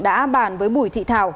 đã bàn với bùi thị thảo